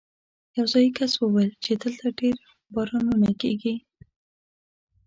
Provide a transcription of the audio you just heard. یو ځايي کس وویل چې دلته ډېر بارانونه کېږي.